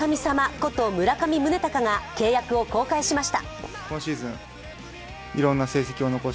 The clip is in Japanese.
こと村上宗隆が契約を更改しました。